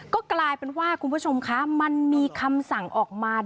ก็กลายเป็นว่าคุณผู้ชมคะมันมีคำสั่งออกมา